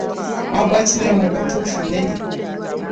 Albert Nile mu butuufu nnene.